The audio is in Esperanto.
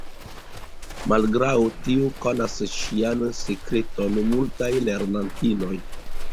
Malgraŭ tio konas ŝian sekreton multaj lernantinoj.